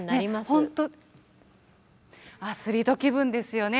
本当、アスリート気分ですよね。